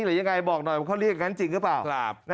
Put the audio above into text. หรือยังไงบอกหน่อยว่าเขาเรียกอย่างนั้นจริงหรือเปล่า